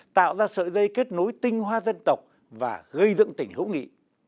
tạo ra sợi dây kết nối tinh hoa dân tộc và gây dựng tỉnh hữu nghị